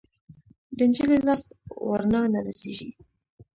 د نجلۍ لاس ورڼا نه رسیږي